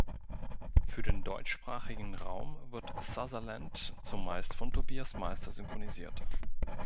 Für den deutschsprachigen Raum wird Sutherland zumeist von Tobias Meister synchronisiert.